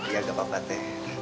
ya gak apa apa teh